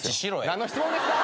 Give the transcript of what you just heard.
何の質問ですか？